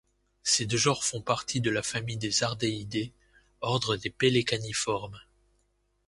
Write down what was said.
Ces deux genres font partie de la famille des Ardeidae, ordre des Pelecaniformes.